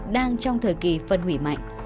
đang trong thời kỳ phân hủy mạnh